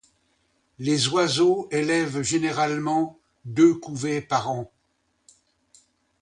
Les oiseaux élèvent généralement deux couvées par an.